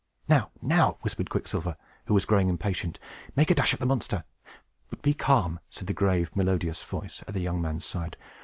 "Now, now!" whispered Quicksilver, who was growing impatient. "Make a dash at the monster!" "But be calm," said the grave, melodious voice at the young man's side.